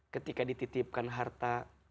ketika dititipkan harta